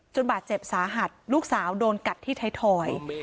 บาดเจ็บสาหัสลูกสาวโดนกัดที่ไทยทอย